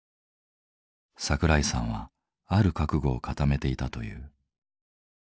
桜井さんはある覚悟を固めていたという。